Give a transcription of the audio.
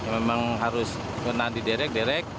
memang harus kena diderek derek